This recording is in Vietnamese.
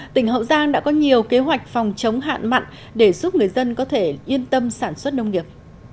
tỉnh hậu giang đã có nhiều kế hoạch phòng chống hạn mặn để giúp người dân có thể yên tâm sản xuất nông nghiệp